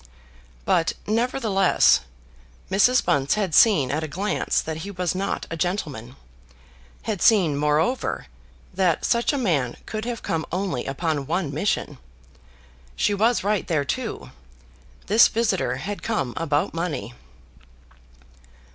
But, nevertheless, Mrs. Bunce had seen at a glance that he was not a gentleman, had seen, moreover, that such a man could have come only upon one mission. She was right there too. This visitor had come about money.